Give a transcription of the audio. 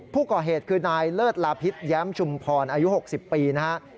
ผู้ก่อเหตุคือนายเลิศลาพิษแย้มชุมพรอายุ๖๐ปีนะฮะ